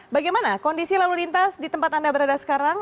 bagaimana kondisi lalu lintas di tempat anda berada sekarang